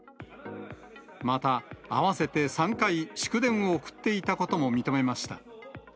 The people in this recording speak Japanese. また、合わせて３回祝電を送っていたことも認めました。